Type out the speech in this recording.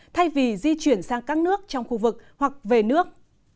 thay vì di chuyển sang các nước trong khu vực hoặc về nước